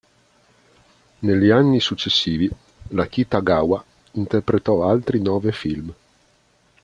Negli anni successivi la Kitagawa interpretò altri nove film.